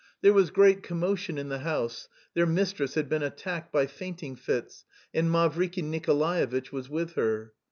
There was great commotion in the house; their mistress had been attacked by fainting fits, and Mavriky Nikolaevitch was with her.